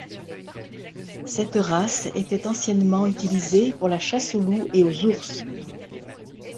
Cette race était anciennement utilisée pour la chasse aux loups et aux ours.